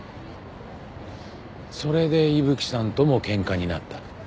それで伊吹さんとも喧嘩になった？